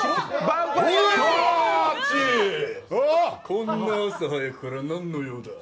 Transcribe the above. こんな朝早くから何の用だ。